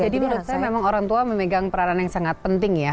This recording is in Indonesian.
jadi menurut saya memang orang tua memegang peranan yang sangat penting ya